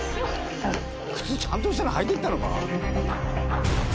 靴ちゃんとしたの履いていったのか？